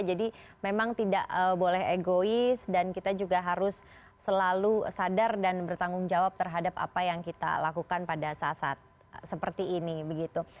jadi memang tidak boleh egois dan kita juga harus selalu sadar dan bertanggung jawab terhadap apa yang kita lakukan pada saat saat seperti ini begitu